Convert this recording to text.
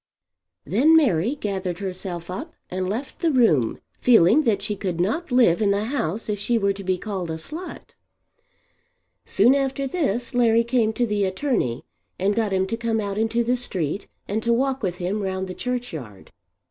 Then Mary gathered herself up and left the room, feeling that she could not live in the house if she were to be called a slut. Soon after this Larry came to the attorney and got him to come out into the street and to walk with him round the churchyard.